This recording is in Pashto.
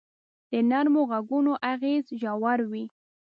د نرمو ږغونو اغېز ژور وي.